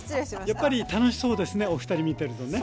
やっぱり楽しそうですねお二人見てるとね